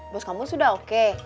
bos kamu sudah oke